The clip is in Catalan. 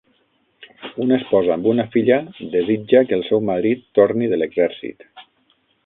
Una esposa amb una filla desitja que el seu marit torni de l'exèrcit.